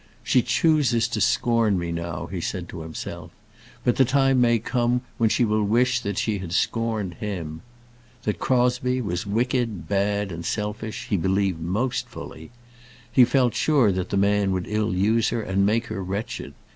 "She chooses to scorn me now," he said to himself; "but the time may come when she will wish that she had scorned him." That Crosbie was wicked, bad, and selfish, he believed most fully. He felt sure that the man would ill use her and make her wretched.